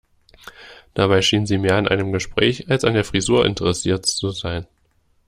Dabei schien sie mehr an einem Gespräch als an der Frisur interessiert zu sein.